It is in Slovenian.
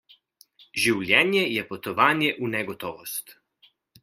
Življenje je potovanje v negotovost.